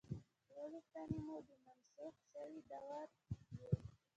ټولې کړنې به مو د منسوخ شوي دور وي.